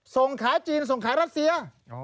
ส่งขาจีนส่งขายรัสเซีย